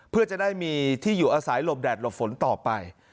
เพื่อจะได้มีที่อยู่อาศัยหลบแดดหลบฝนต่อไป